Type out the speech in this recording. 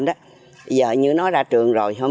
bây giờ như nó ra trường rồi